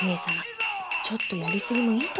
ちょっとやり過ぎもいいとこですね。